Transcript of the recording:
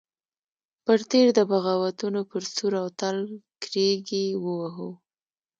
پر تېر د بغاوتونو پر سور او تال کرېږې وهو.